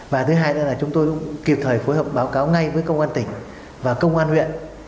và thứ hai là chúng tôi cũng kịp thời phối hợp báo cáo ngay với công an tỉnh và công an huyện